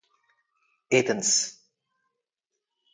Athens.